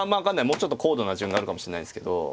もうちょっと高度な順があるかもしんないですけど。